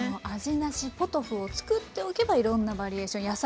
味なしポトフを作っておけばいろんなバリエーション